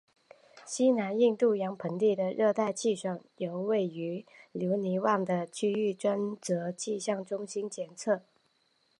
西南印度洋盆地的热带气旋由位于留尼汪的区域专责气象中心监测。